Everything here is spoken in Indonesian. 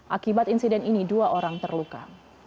akibat insiden ini dua orang terluka